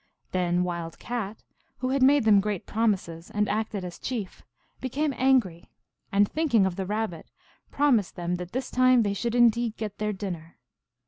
Then Wild Cat, who had made them great promises and acted as chief, became angry, and, thinking of the Rabbit, promised them that this time they should in deed get their dinner.